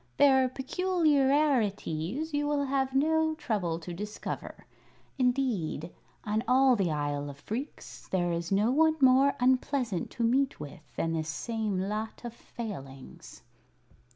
"Their peculiarities you will have no trouble to discover. Indeed, on all the Isle of Phreex, there is no one more unpleasant to meet with than this same lot of Failings."